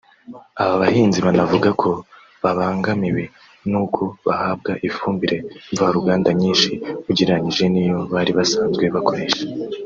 Aba bahinzi banavuga ko babangamiwe n’uko bahabwa ifumbire mva ruganda nyinshi ugereranyije n’iyo bari basanzwe bakoresha